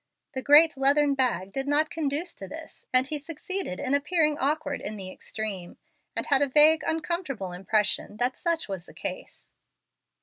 The great leathern bag did not conduce to this, and he succeeded in appearing awkward in the extreme, and had a vague, uncomfortable impression that such was the case.